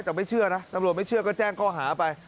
แต่ไม่เชื่อนะตำรวจไม่เชื่อก็แจ้งข้อหาไป